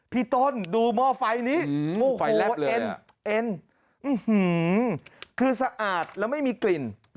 พี่ต้นดูหม้อไฟนี้เอ็นคือสะอาดแล้วไม่มีกลิ่น